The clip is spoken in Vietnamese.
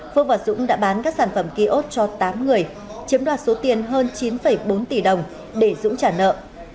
phước và dũng đã bán các sản phẩm kiosk cho tám người chiếm đoạt số tiền hơn chín bốn tỷ đồng để dũng trả nợ